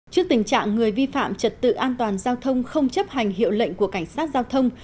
trước tình trạng người vi phạm trật tự an toàn giao thông không chấp hành hiệu lệnh của cảnh sát giao thông